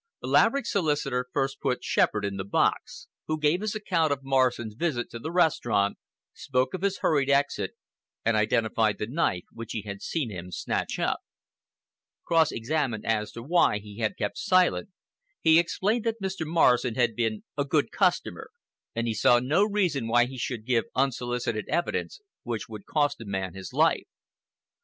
Laverick's solicitor first put Shepherd in the box, who gave his account of Morrison's visit to the restaurant, spoke of his hurried exit, and identified the knife which he had seen him snatch up. Cross examined as to why he had kept silent, he explained that Mr. Morrison had been a good customer and he saw no reason why he should give unsolicited evidence which would cost a man his life.